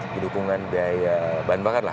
di dukungan biaya bahan bakar lah